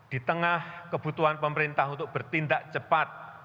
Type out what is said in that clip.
di tengah kebutuhan pemerintah untuk bertindak cepat